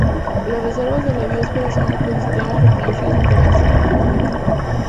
Las Reservas de la Biosfera son ecosistemas reconocidos internacionalmente.